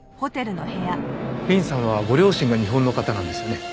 リンさんはご両親が日本の方なんですよね。